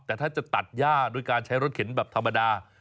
แต่ถ้าจะตัดย่าด้วยการใช้รถเข็นแบบธรรมดา